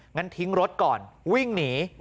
งั้นทิ้งรถก่อนวิ่งหนี